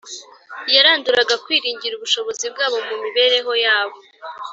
Yaranduraga kwiringira ubushobozi bwabo mu mibereho yabo